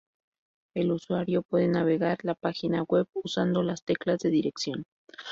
El usuario puede navegar la página web usando las teclas de dirección.